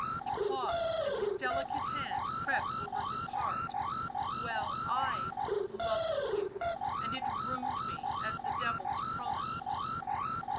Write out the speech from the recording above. .."— he paused and his delicate hand crept over his heart— " well, I ... loved you ... and it ruined me, as the devils promised.